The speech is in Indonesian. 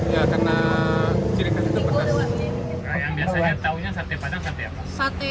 yang biasanya tahunya sate padang sate apa